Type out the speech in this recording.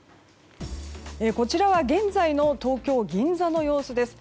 こちらは現在の東京・銀座の様子です。